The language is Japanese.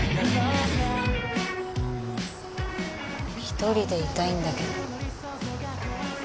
一人でいたいんだけど。